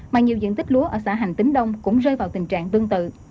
mà nhiều diện tích lúa ở xã hành tính đông cũng rơi vào tình trạng tương tự